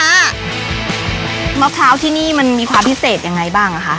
มะพร้าวที่นี่มันมีความพิเศษยังไงบ้างคะ